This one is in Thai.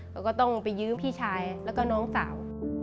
เขาก็ต้องไปยืมพี่ชายแล้วก็น้องสาว